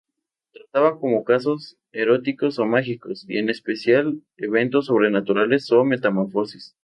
Trataban casos eróticos o mágicos y en especial eventos sobrenaturales o metamorfosis.